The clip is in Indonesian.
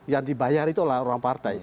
yang dibayar itu adalah orang partai